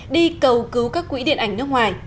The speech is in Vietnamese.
đi cầu cứu các quỹ điện ảnh nước ngoài